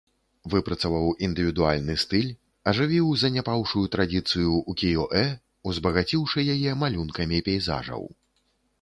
Выпрацаваў індывідуальны стыль, ажывіў заняпаўшую традыцыю ўкіё-э, узбагаціўшы яе малюнкамі пейзажаў.